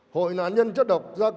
hội nạn nhân chất độc da cam việt nam